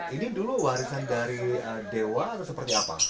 ini dulu warisan dari dewa atau seperti apa